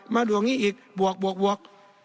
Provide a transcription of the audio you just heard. มาดวงนี้อีกบวกบวกบวก